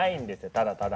ただただ。